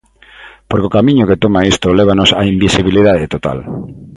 Porque o camiño que toma isto lévanos á invisibilidade total.